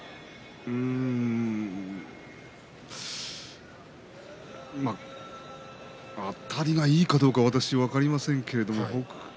うんあたりがいいかどうかは私分かりませんけど北勝